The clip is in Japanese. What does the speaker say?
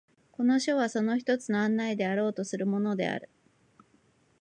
この書はその一つの案内であろうとするものである。